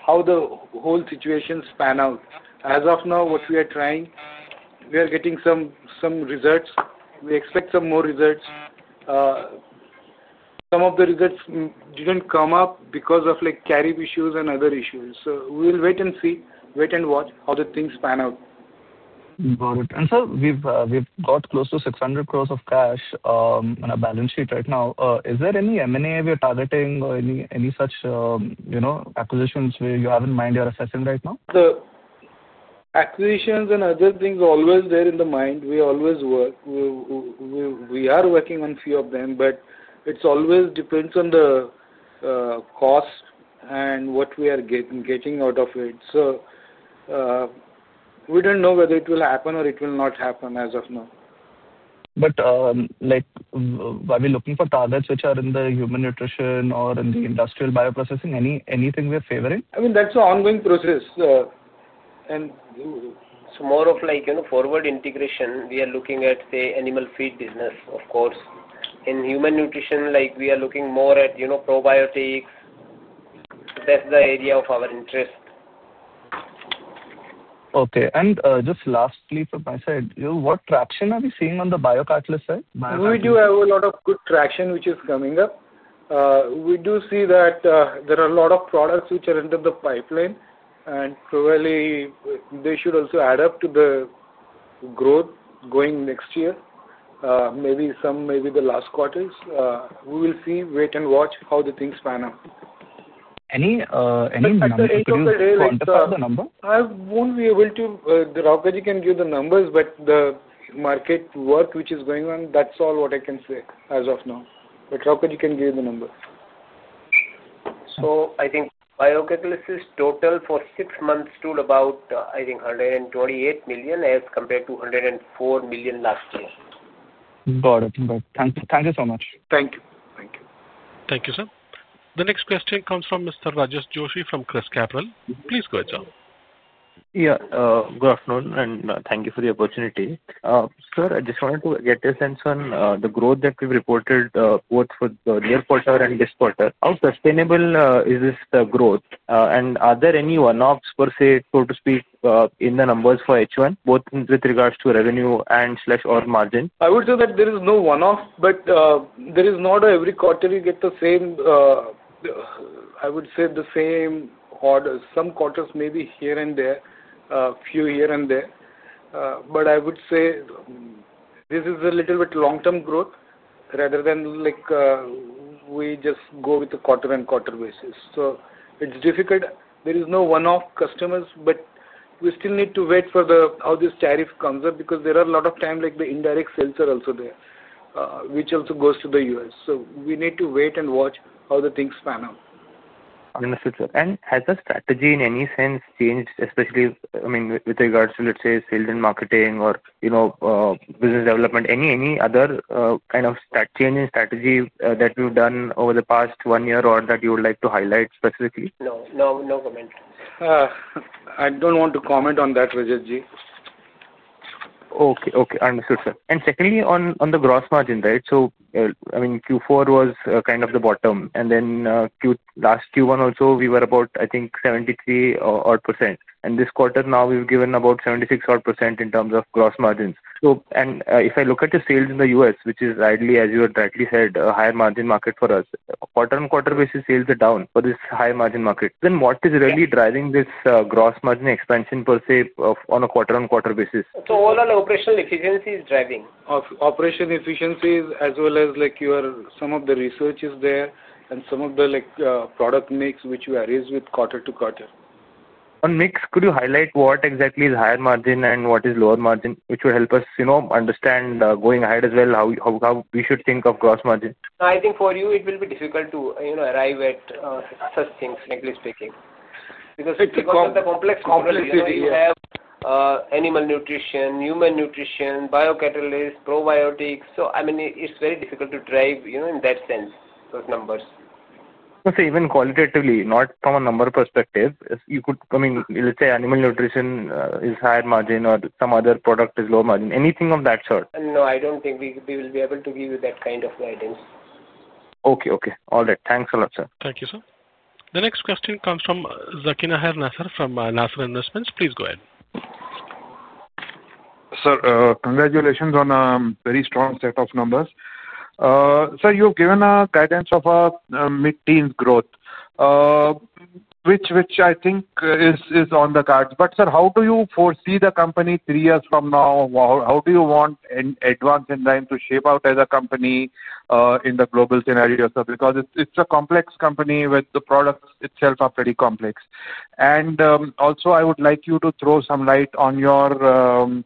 how the whole situation span out. As of now, what we are trying, we are getting some results. We expect some more results. Some of the results did not come up because of tariff issues and other issues. We will wait and see, wait and watch how the things pan out. Got it. Sir, we've got close to 600 crore of cash on our balance sheet right now. Is there any M&A we're targeting or any such acquisitions where you have in mind you're assessing right now? Acquisitions and other things are always there in the mind. We always work. We are working on a few of them, but it always depends on the cost and what we are getting out of it. We do not know whether it will happen or it will not happen as of now. Are we looking for targets which are in the human nutrition or in the industrial bioprocessing? Anything we are favoring? I mean, that's an ongoing process. It is more of forward integration. We are looking at, say, animal feed business, of course. In human nutrition, we are looking more at probiotics. That's the area of our interest. Okay. Just lastly, from my side, what traction are we seeing on the biocatalyst side? We do have a lot of good traction, which is coming up. We do see that there are a lot of products which are into the pipeline, and probably they should also add up to the growth going next year, maybe some, maybe the last quarters. We will see, wait and watch how the things pan out. Any number you can give you? I won't be able to. Beni Rauka ji can give the numbers, but the market work which is going on, that's all what I can say as of now. Beni Rauka ji can give you the number. I think biocatalysts total for six months stood at about 128 million as compared to 104 million last year. Got it. Thank you so much. Thank you. Thank you, sir. Thank you, sir. The next question comes from Mr. Rajas Joshi from ChrysCapital. Please go ahead, sir. Yeah. Good afternoon, and thank you for the opportunity. Sir, I just wanted to get your sense on the growth that we've reported both for the near quarter and this quarter. How sustainable is this growth? Are there any one-offs, per se, so to speak, in the numbers for each one, both with regards to revenue and/or margin? I would say that there is no one-off, but there is not every quarter you get the same, I would say, the same orders. Some quarters may be here and there, a few here and there. I would say this is a little bit long-term growth rather than we just go with the quarter-on-quarter basis. It is difficult. There is no one-off customers, but we still need to wait for how this tariff comes up because there are a lot of times the indirect sales are also there, which also goes to the U.S.. We need to wait and watch how the things pan out. Understood, sir. Has the strategy in any sense changed, especially, I mean, with regards to, let's say, sales and marketing or business development? Any other kind of changing strategy that you've done over the past one year or that you would like to highlight specifically? No. No comment. I don't want to comment on that, Rajas Joshi. Okay. Okay. Understood, sir. Secondly, on the gross margin, right? I mean, Q4 was kind of the bottom, and then last Q1 also, we were about, I think, 73% odd. This quarter, now we have given about 76% odd in terms of gross margins. If I look at the sales in the U.S., which is, as you had rightly said, a higher margin market for us, quarter-on-quarter basis sales are down for this higher margin market. What is really driving this gross margin expansion, per se, on a quarter-on-quarter basis? Overall, operational efficiency is driving. Operational efficiency is as well as some of the research is there and some of the product mix, which varies with quarter to quarter. On mix, could you highlight what exactly is higher margin and what is lower margin, which would help us understand going ahead as well how we should think of gross margin? I think for you, it will be difficult to arrive at such things, frankly speaking, because the complexity is you have animal nutrition, human nutrition, biocatalysts, probiotics. I mean, it's very difficult to drive in that sense those numbers. Even qualitatively, not from a number perspective, you could, I mean, let's say animal nutrition is higher margin or some other product is lower margin. Anything of that sort? No, I don't think we will be able to give you that kind of guidance. Okay. Okay. All right. Thanks a lot, sir. Thank you, sir. The next question comes from [Zakina Her Nasir] from Nasir Investments. Please go ahead. Sir, congratulations on a very strong set of numbers. Sir, you have given a guidance of a mid-teens growth, which I think is on the cards. Sir, how do you foresee the company three years from now? How do you want Advanced Enzyme Technologies to shape out as a company in the global scenario, sir? Because it is a complex company with the products itself are pretty complex. Also, I would like you to throw some light on your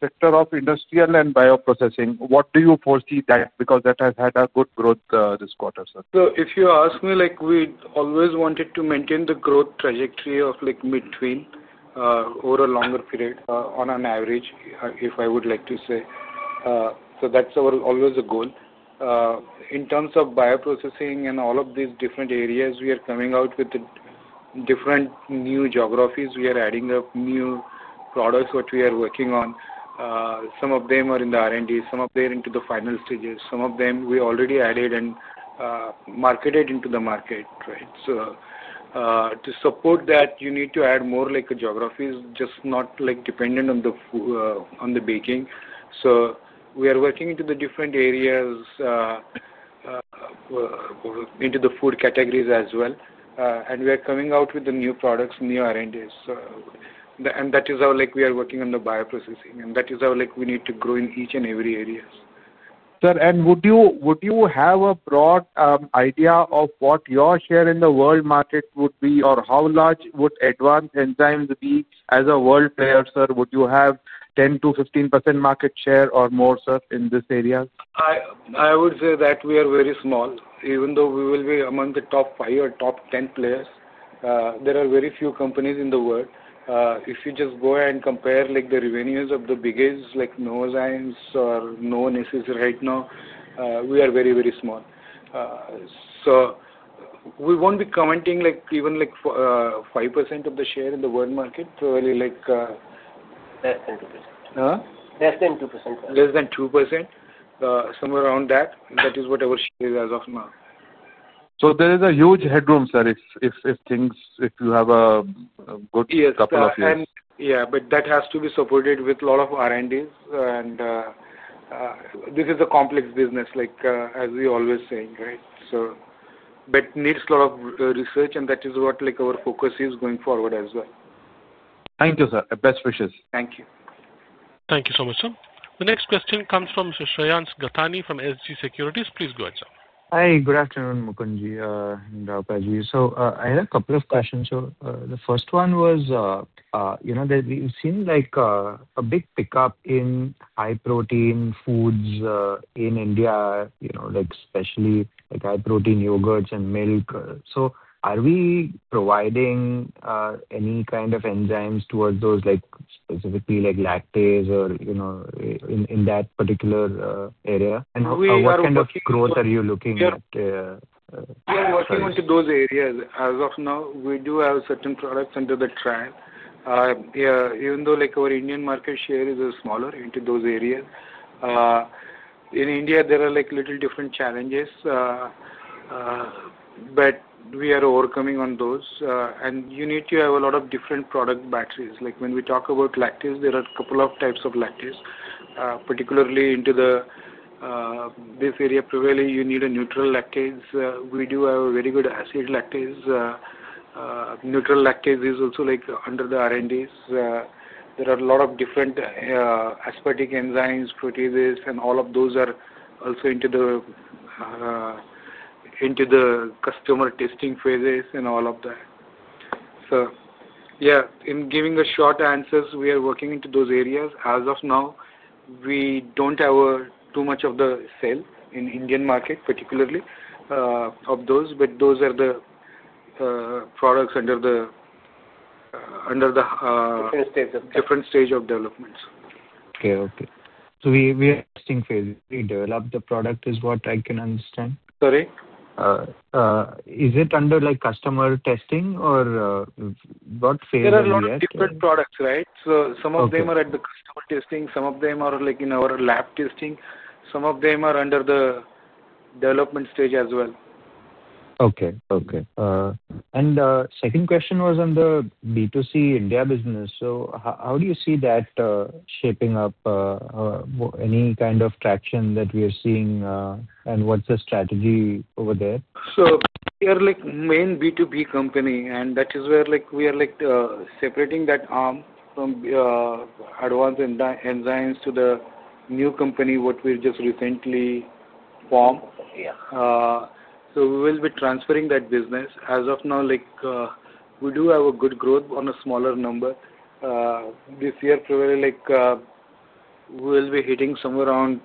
sector of industrial and bioprocessing. What do you foresee there because that has had a good growth this quarter, sir? If you ask me, we always wanted to maintain the growth trajectory of mid-teens over a longer period on an average, if I would like to say. That is always a goal. In terms of bioprocessing and all of these different areas, we are coming out with different new geographies. We are adding up new products which we are working on. Some of them are in the R&D. Some of them are into the final stages. Some of them we already added and marketed into the market, right? To support that, you need to add more geographies, just not dependent on the baking. We are working into the different areas, into the food categories as well. We are coming out with the new products, new R&Ds. That is how we are working on the bio-processing. That is how we need to grow in each and every area. Sir, and would you have a broad idea of what your share in the world market would be or how large would Advanced Enzyme Technologies be as a world player, sir? Would you have 10%-15% market share or more, sir, in this area? I would say that we are very small. Even though we will be among the top five or top ten players, there are very few companies in the world. If you just go and compare the revenues of the biggest Novozymes or Novonesis right now, we are very, very small. So we won't be commenting even 5% of the share in the world market, probably. Less than 2%. Huh? Less than 2%. Less than 2%, somewhere around that. That is what our share is as of now. There is a huge headroom, sir, if you have a good couple of years. Yes. Yeah. That has to be supported with a lot of R&Ds. This is a complex business, as we always say, right? It needs a lot of research, and that is what our focus is going forward as well. Thank you, sir. Best wishes. Thank you. Thank you so much, sir. The next question comes from Shereyans Gathani from SG Securities. Please go ahead, sir. Hi. Good afternoon, Mukund and Rauka ji. I had a couple of questions, sir. The first one was that we've seen a big pickup in high-protein foods in India, especially high-protein yogurts and milk. Are we providing any kind of enzymes towards those, specifically lactase or in that particular area? What kind of growth are you looking at? We are working on those areas. As of now, we do have certain products under the trial. Even though our Indian market share is smaller in those areas, in India, there are little different challenges, but we are overcoming those. You need to have a lot of different product batches. When we talk about lactase, there are a couple of types of lactase, particularly in this area. Probably you need a neutral lactase. We do have a very good acid lactase. Neutral lactase is also under the R&D. There are a lot of different aspartic enzymes, proteases, and all of those are also in the customer testing phases and all of that. Yeah, in giving short answers, we are working in those areas. As of now, we don't have too much of the sale in the Indian market, particularly of those, but those are the products under the. Different stage of development. Different stage of development. Okay. Okay. So we are testing phase. We develop the product, is what I can understand. Correct. Is it under customer testing or what phase are you at? There are a lot of different products, right? Some of them are at the customer testing. Some of them are in our lab testing. Some of them are under the development stage as well. Okay. Okay. Second question was on the B2C India business. How do you see that shaping up? Any kind of traction that we are seeing, and what's the strategy over there? We are a main B2B company, and that is where we are separating that arm from Advanced Enzyme Technologies to the new company, which we just recently formed. We will be transferring that business. As of now, we do have a good growth on a smaller number. This year, probably we will be hitting somewhere around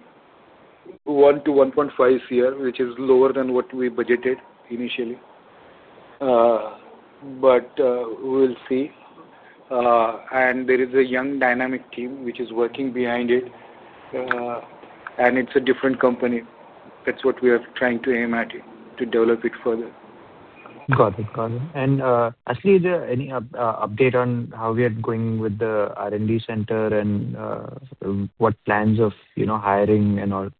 1%-1.5% here, which is lower than what we budgeted initially. We will see. There is a young dynamic team which is working behind it, and it is a different company. That is what we are trying to aim at, to develop it further. Got it. Got it. Is there any update on how we are going with the R&D center and what plans of hiring and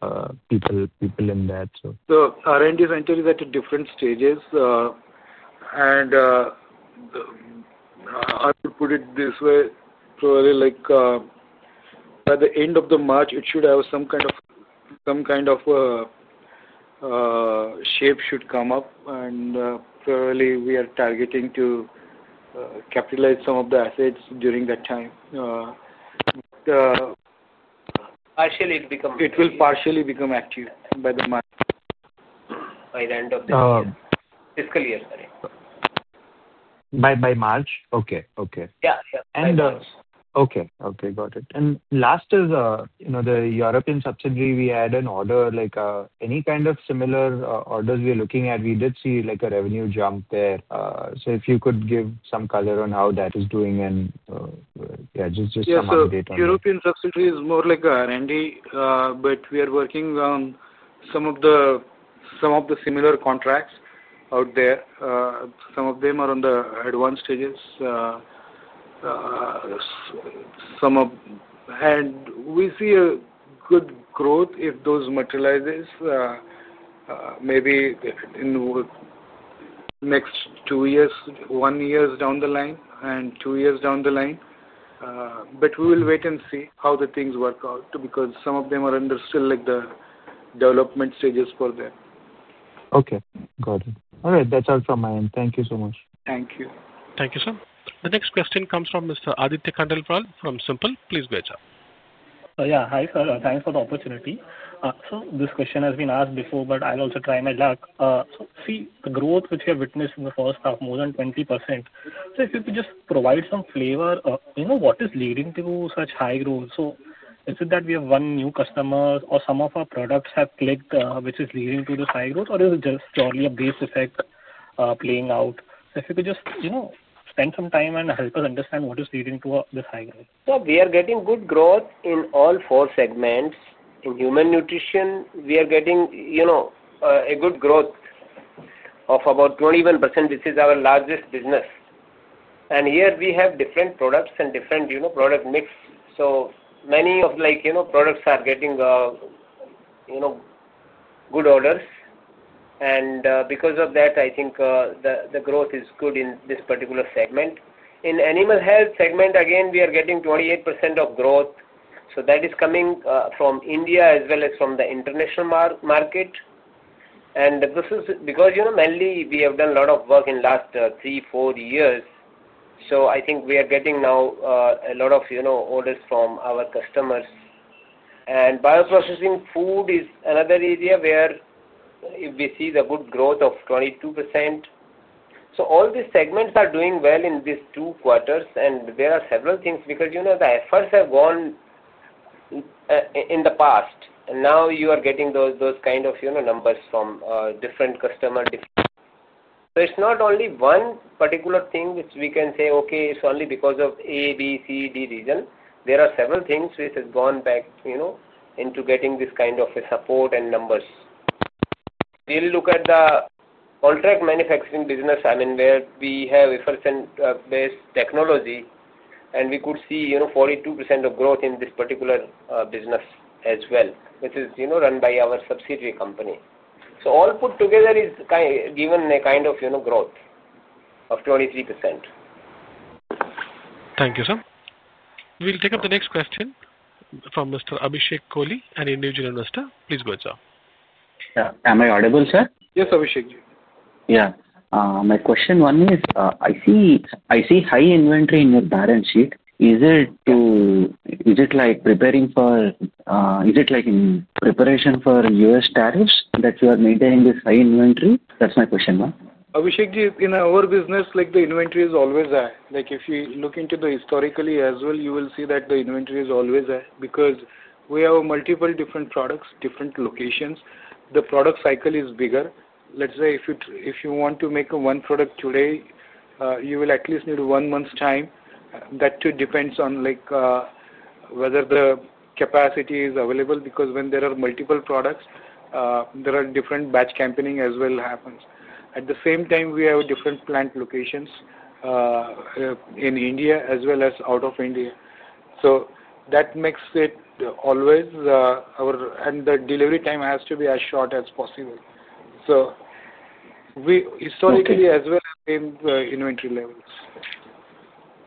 people in that, sir? R&D center is at different stages. I would put it this way, probably by the end of March, it should have some kind of shape should come up. Probably we are targeting to capitalize some of the assets during that time. Partially become. It will partially become active by the end of the fiscal year, sorry. By March? Okay. Okay. Yeah. Yeah. Yeah. Okay. Okay. Got it. Last is the European subsidiary. We had an order. Any kind of similar orders we are looking at? We did see a revenue jump there. If you could give some color on how that is doing and, yeah, just some update on that. Yeah. European subsidiary is more like R&D, but we are working on some of the similar contracts out there. Some of them are at the advanced stages. We see good growth if those materialize maybe in the next two years, one year down the line, and two years down the line. We will wait and see how things work out because some of them are still under the development stages for them. Okay. Got it. All right. That's all from my end. Thank you so much. Thank you. Thank you, sir. The next question comes from Mr. Aditya Khandelwal from SIMPL. Please go ahead, sir. Yeah. Hi, sir. Thanks for the opportunity. This question has been asked before, but I'll also try my luck. See, the growth which we have witnessed in the first half, more than 20%. If you could just provide some flavor of what is leading to such high growth. Is it that we have one new customer or some of our products have clicked, which is leading to this high growth, or is it just purely a base effect playing out? If you could just spend some time and help us understand what is leading to this high growth. We are getting good growth in all four segments. In human nutrition, we are getting a good growth of about 21%. This is our largest business. Here, we have different products and different product mix. Many of the products are getting good orders, and because of that, I think the growth is good in this particular segment. In animal health segment, again, we are getting 28% of growth. That is coming from India as well as from the international market. This is because mainly we have done a lot of work in the last three or four years. I think we are getting now a lot of orders from our customers. Bio-processing food is another area where we see the good growth of 22%. All these segments are doing well in these two quarters. There are several things because the efforts have gone in the past. Now you are getting those kind of numbers from different customers. It is not only one particular thing which we can say, "Okay, it is only because of A, B, C, D reason." There are several things which have gone back into getting this kind of support and numbers. If you look at the contract manufacturing business, I mean, where we have efforts and based technology, we could see 42% of growth in this particular business as well, which is run by our subsidiary company. All put together has given a kind of growth of 23%. Thank you, sir. We will take up the next question from Mr. Abhishek Kohli, an individual investor. Please go ahead, sir. Am I audible, sir? Yes, Abhishek ji. Yeah. My question one is, I see high inventory in your balance sheet. Is it like preparing for, is it like in preparation for U.S. tariffs that you are maintaining this high inventory? That's my question, ma'am. Abhishek ji, in our business, the inventory is always high. If you look into the historically as well, you will see that the inventory is always high because we have multiple different products, different locations. The product cycle is bigger. Let's say if you want to make one product today, you will at least need one month's time. That depends on whether the capacity is available because when there are multiple products, there are different batch campaigning as well happens. At the same time, we have different plant locations in India as well as out of India. That makes it always our and the delivery time has to be as short as possible. Historically as well, same inventory levels.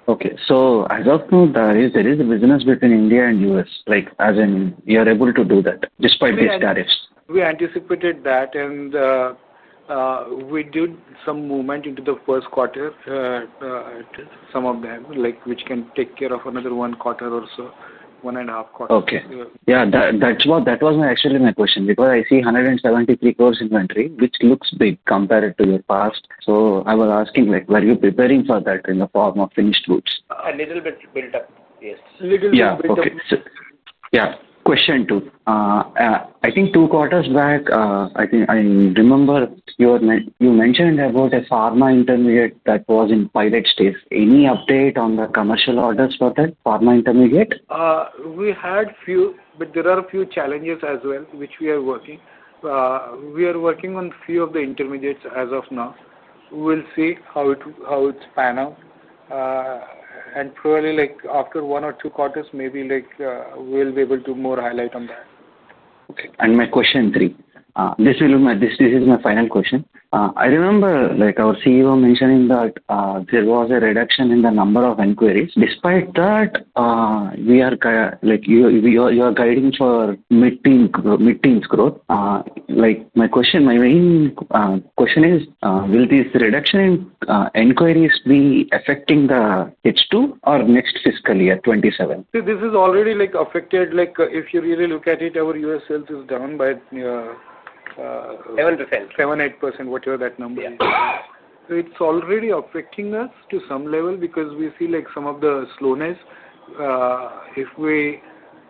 Okay. So as of now, there is a business between India and U.S., as in you are able to do that despite these tariffs. We anticipated that, and we did some movement into the first quarter, some of them, which can take care of another one quarter or so, one and a half quarter. Okay. Yeah. That was actually my question because I see 173 crore inventory, which looks big compared to your past. I was asking, were you preparing for that in the form of finished goods? A little bit built up, yes. Little bit built up. Yeah. Question two. I think two quarters back, I remember you mentioned about a pharma intermediate that was in pilot stage. Any update on the commercial orders for that pharma intermediate? We had a few, but there are a few challenges as well, which we are working. We are working on a few of the intermediates as of now. We will see how it span out. Probably after one or two quarters, maybe we will be able to do more highlight on that. Okay. My question three, this is my final question. I remember our CEO mentioning that there was a reduction in the number of inquiries. Despite that, you are guiding for mid-teens growth. My main question is, will this reduction in inquiries be affecting the H2 or next fiscal year, 2027? This is already affected. If you really look at it, our U.S. sales is down by. 7%. 7%-8%, whatever that number is. So it's already affecting us to some level because we see some of the slowness. If we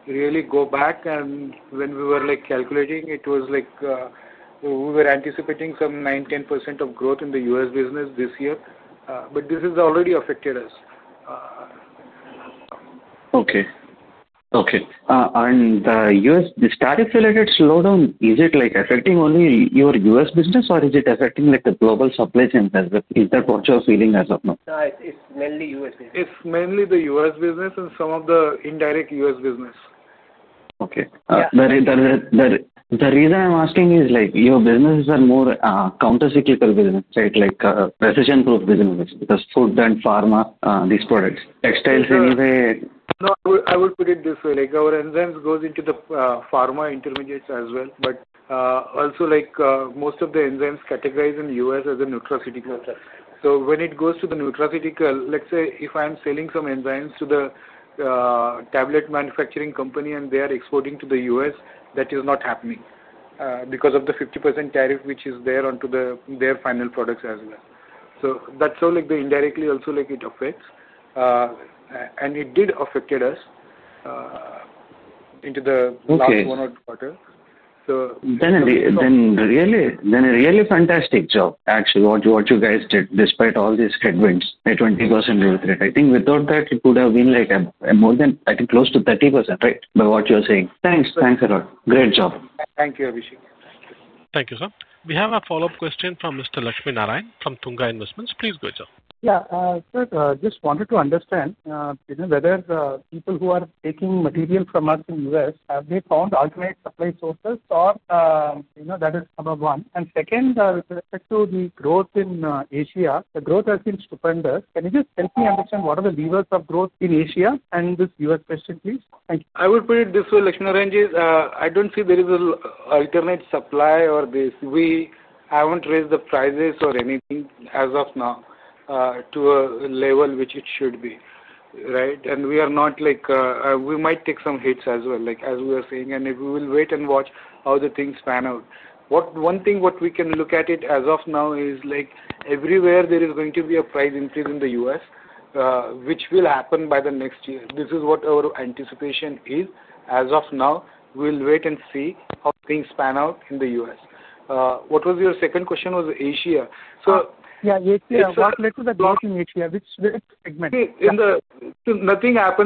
really go back, and when we were calculating, it was like we were anticipating some 9%-10% of growth in the U.S. business this year. But this has already affected us. Okay. Okay. The U.S. tariff-related slowdown, is it affecting only your U.S. business, or is it affecting the global supply chain? Is that what you're feeling as of now? It's mainly U.S. business. It's mainly the U.S. business and some of the indirect U.S. business. Okay. The reason I'm asking is your businesses are more countercyclical business, right, like precision-proof businesses because food and pharma, these products, textiles anyway. I would put it this way. Our enzymes go into the pharma intermediates as well. Also, most of the enzymes categorize in the U.S. as a nutraceutical. When it goes to the nutraceutical, let's say if I'm selling some enzymes to the tablet manufacturing company and they are exporting to the U.S., that is not happening because of the 50% tariff which is there onto their final products as well. That is how indirectly also it affects. It did affect us in the last one or two quarters. Really fantastic job, actually, what you guys did despite all these headwinds, a 20% growth rate. I think without that, it would have been more than, I think, close to 30%, right, by what you're saying. Thanks. Thanks a lot. Great job. Thank you, Abhishek. Thank you, sir. We have a follow-up question from Mr. Lakshmi Narayan from Tunga Investments. Please go ahead, sir. Yeah. Sir, just wanted to understand whether people who are taking material from us in the U.S., have they found alternate supply sources or that is number one? Second, with respect to the growth in Asia, the growth has been stupendous. Can you just help me understand what are the levers of growth in Asia and this U.S. question, please? Thank you. I would put it this way, Lakshmi Narayan ji, I don't see there is an alternate supply or this. We haven't raised the prices or anything as of now to a level which it should be, right? We are not like we might take some hits as well, as we are saying, and we will wait and watch how the things pan out. One thing what we can look at as of now is everywhere there is going to be a price increase in the U.S., which will happen by the next year. This is what our anticipation is as of now. We'll wait and see how things pan out in the U.S. What was your second question? Was Asia. Yeah. Let's go back to the growth in Asia. Which segment? See, nothing happens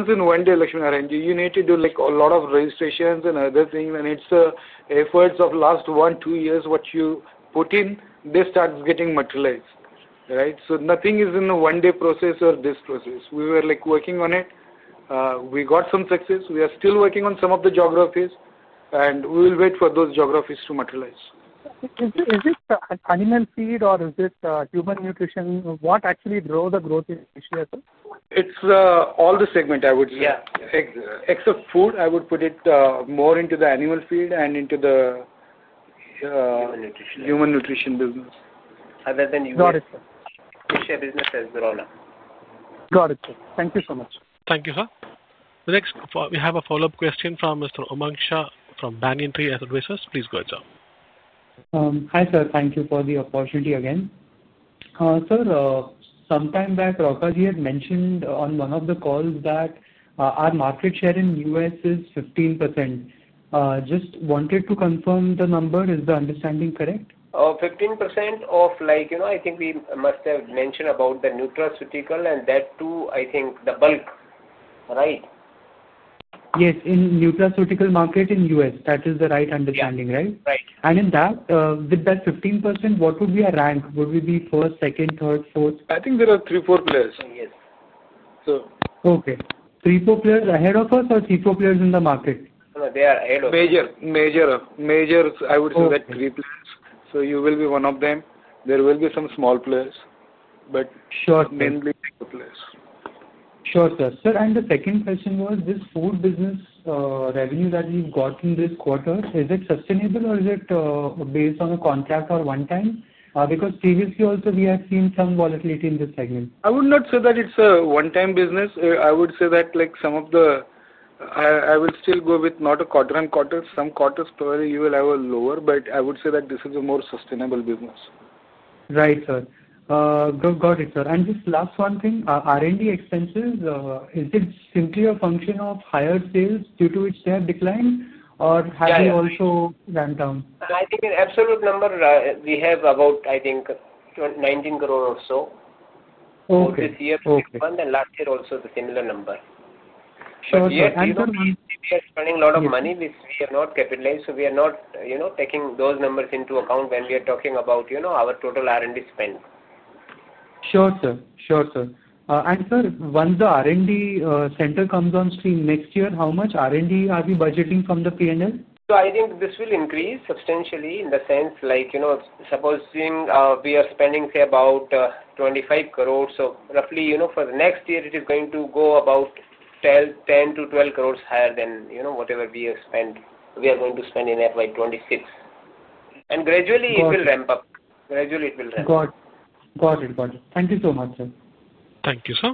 in one day, Lakshmi Narayan ji. You need to do a lot of registrations and other things. It is the efforts of the last one, two years, what you put in, this starts getting materialized, right? Nothing is in a one-day process or this process. We were working on it. We got some success. We are still working on some of the geographies, and we will wait for those geographies to materialize. Is this animal feed or is this human nutrition? What actually drove the growth in Asia, sir? It's all the segment, I would say. Except food, I would put it more into the animal feed and into the. Human nutrition. Human nutrition business. Other than human nutrition, Asia business has grown up. Got it, sir. Thank you so much. Thank you, sir. We have a follow-up question from Mr. Umang Shah from Banyan Tree Advisors. Please go ahead, sir. Hi, sir. Thank you for the opportunity again. Sir, some time back, Rachna ji had mentioned on one of the calls that our market share in the U.S. is 15%. Just wanted to confirm the number. Is the understanding correct? 15% of, I think we must have mentioned about the neutral lactase, and that too, I think the bulk, right? Yes. In nutraceutical market in the U.S., that is the right understanding, right? Right. With that 15%, what would be our rank? Would we be first, second, third, fourth? I think there are three, four players. Yes. Okay. Three, four players ahead of us or three, four players in the market? They are ahead of us. Major. I would say that three players. So you will be one of them. There will be some small players, but mainly two players. Sure, sir. Sir, and the second question was, this food business revenue that we've got in this quarter, is it sustainable or is it based on a contract or one-time? Because previously, also, we have seen some volatility in this segment. I would not say that it's a one-time business. I would say that some of the, I will still go with not a quarter-and-quarter. Some quarters probably you will have a lower, but I would say that this is a more sustainable business. Right, sir. Got it, sir. Just last one thing, R&D expenses, is it simply a function of higher sales due to which they have declined, or have you also gone down? I think in absolute number, we have about, I think, 190 million or so this year and last year also the similar number. Year to year, we are spending a lot of money, which we have not capitalized. We are not taking those numbers into account when we are talking about our total R&D spend. Sure, sir. And sir, once the R&D center comes on stream next year, how much R&D are we budgeting from the P&L? I think this will increase substantially in the sense supposing we are spending, say, about 250 million. Roughly for the next year, it is going to go about 100 million-120 million higher than whatever we are spending. We are going to spend in FY 2026. Gradually, it will ramp up. Gradually, it will ramp up. Got it. Got it. Thank you so much, sir. Thank you, sir.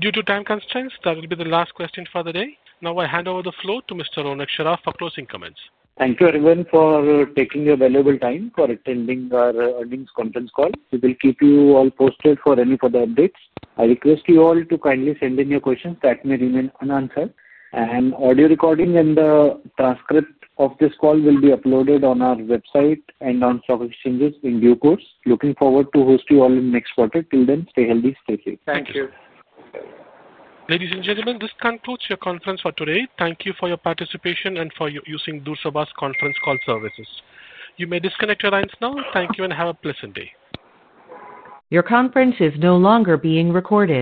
Due to time constraints, that will be the last question for the day. Now, I hand over the floor to Mr. Ronak Saraf for closing comments. Thank you, everyone, for taking your valuable time for attending our earnings conference call. We will keep you all posted for any further updates. I request you all to kindly send in your questions that may remain unanswered. The audio recording and the transcript of this call will be uploaded on our website and on stock exchanges in due course. Looking forward to host you all in the next quarter. Till then, stay healthy, stay safe. Thank you. Ladies and gentlemen, this concludes your conference for today. Thank you for your participation and for using DURSABAS conference call services. You may disconnect your lines now. Thank you and have a pleasant day. Your conference is no longer being recorded.